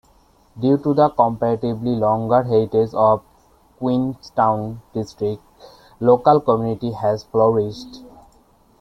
Due to the comparatively longer heritage of Queenstown district, local community has flourished.